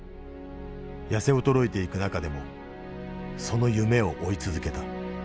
痩せ衰えていく中でもその夢を追い続けた。